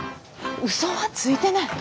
ウソはついてない。